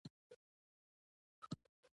دا سر د پښتون سر دے ددې سر پۀ وزر څۀ